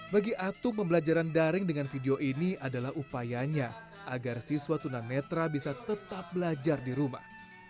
bagi atung pembelajaran daring dengan video ini adalah upayanya agar siswa tunanetra bisa tetap belajar di rumah